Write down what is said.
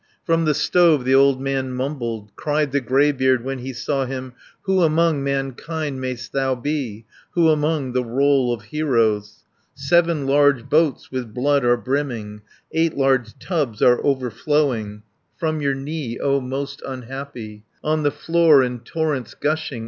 From the stove the old man mumbled, Cried the greybeard when he saw him, "Who among mankind may'st thou be, Who among the roll of heroes? Seven large boats with blood are brimming, Eight large tubs are overflowing From your knee, O most unhappy, On the floor in torrents gushing.